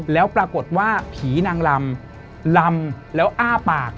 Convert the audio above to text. แล้วปรากฏว่าผีนางลำลำแล้วอ้าปาก